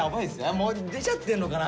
もう出ちゃってんのかな。